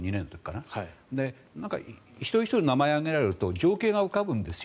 なんか一人ひとりの名前を挙げられると情景が浮かぶんですよ。